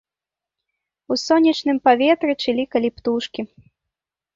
У сонечным паветры чылікалі птушкі.